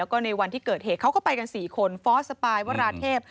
แล้วก็ในวันที่เกิดเหตุเขาก็ไปกัน๔คนฟอสสปายวราเทพ